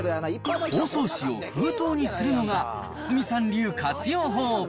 包装紙を封筒にするのが堤さん流活用法。